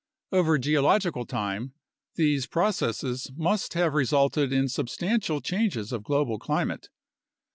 Over geological time, these processes must have resulted in substantial changes of global climate.